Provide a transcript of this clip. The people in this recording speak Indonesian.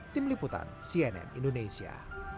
tim liputan cnn indonesia